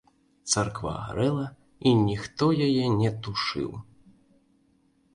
Царква гарэла, і ніхто яе не тушыў.